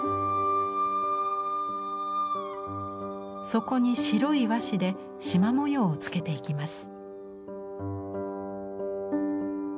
そこに白い和紙でしま模様をつけていきます。